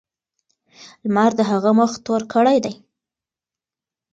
لمر د هغه مخ تور کړی دی.